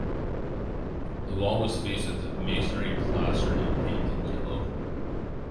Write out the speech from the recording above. The wall was faced with masonry, plastered and painted yellow.